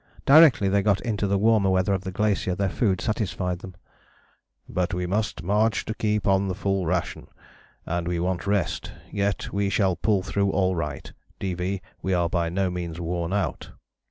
Directly they got into the warmer weather on the glacier their food satisfied them, "but we must march to keep on the full ration, and we want rest, yet we shall pull through all right, D.V. We are by no means worn out."